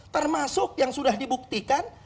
termasuk yang sudah dibuktikan